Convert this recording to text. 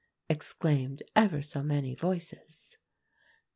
exclaimed ever so many voices.